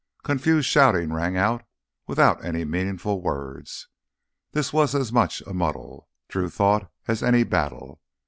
Confused shouting rang out, without any meaningful words. This was as much a muddle, Drew thought, as any battle.